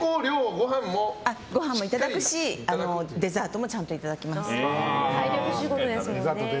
いただくしデザートもちゃんといただきます。